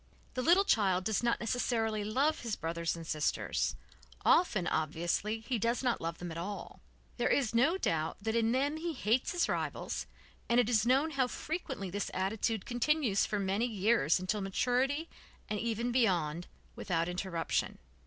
The little child does not necessarily love his brothers and sisters, often, obviously, he does not love them at all. There is no doubt that in them he hates his rivals and it is known how frequently this attitude continues for many years until maturity, and even beyond, without interruption.